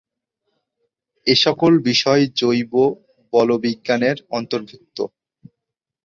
এসকল বিষয় জৈব বলবিজ্ঞানের অন্তর্ভুক্ত।